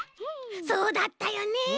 そうだったよね。